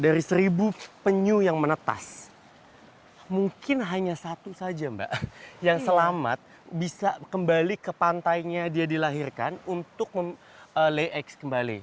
dari seribu penyu yang menetas mungkin hanya satu saja mbak yang selamat bisa kembali ke pantainya dia dilahirkan untuk lay ex kembali